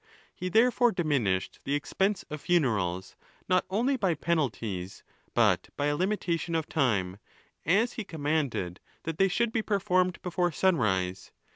He therefore diminished the expense of funerals, not only by penalties, but by a limitation of time; as he com manded that they should be performed before sunrise.